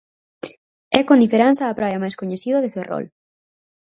É con diferenza a praia máis coñecida de Ferrol.